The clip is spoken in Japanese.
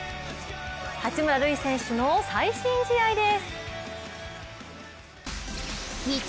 八村塁選手の最新試合です。